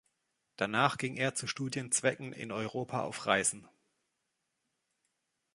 Danach ging er zu Studienzwecken in Europa auf Reisen.